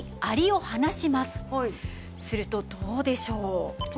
するとどうでしょう？